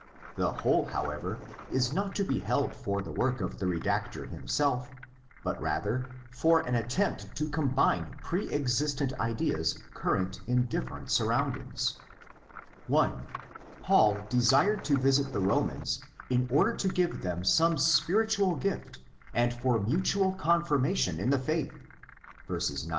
The whole, however, 18 not to be held for the work of the redactor himself, but rather for an attempt to combine pre existent ideas current in different surroundings. (1) 1 And this is the older reading in i. 1. ITS COMPOSITION 111 Paul desired to visit the Romans in order to give them some spiritual gift and for mutual confirmation in the faith (verses 9 12).